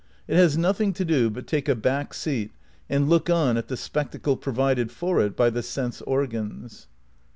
It has nothing to do but take a back seat and look on at the spectacle provided for it by the sense organs.